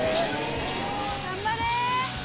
頑張れ！